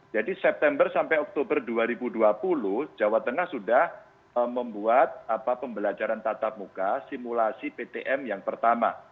jadi september sampai oktober dua ribu dua puluh jawa tengah sudah membuat pembelajaran tatap muka simulasi ptm yang pertama